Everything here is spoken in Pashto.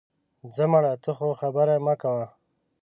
ځه مړه، ته خو خبرې مه کوه